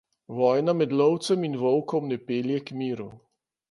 Vojna med lovcem in volkom ne pelje k miru.